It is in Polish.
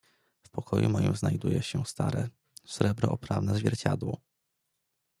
"W pokoju moim znajduje się stare, w srebro oprawne zwierciadło."